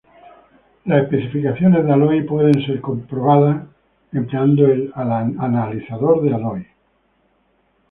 Las especificaciones de Alloy pueden ser comprobadas empleando el Analizador de Alloy.